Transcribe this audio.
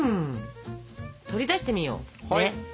取り出してみよう。